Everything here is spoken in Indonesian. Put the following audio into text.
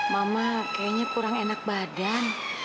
mama kayaknya kurang enak badan